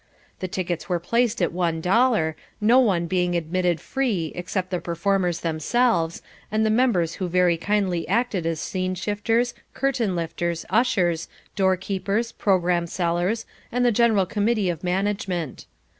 The tickets were placed at one dollar, no one being admitted free except the performers themselves, and the members who very kindly acted as scene shifters, curtain lifters, ushers, door keepers, programme sellers, and the general committee of management.